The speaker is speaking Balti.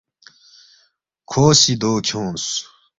کھو سی دو کھیونگس